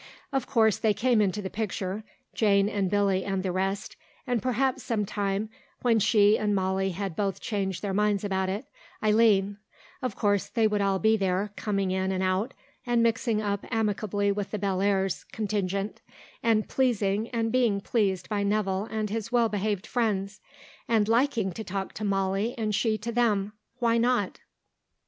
Of course they came into the picture, Jane and Billy and the rest, and perhaps sometime, when she and Molly had both changed their minds about it, Eileen; of course they would all be there, coming in and out and mixing up amicably with the Bellairs contingent, and pleasing and being pleased by Nevill and his well behaved friends, and liking to talk to Molly and she to them. Why not?